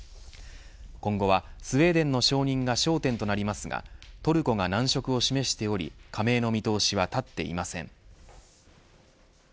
今後は、スウェーデンの承認が焦点となりますがトルコが難色を示しており加盟の見通しはたっていません。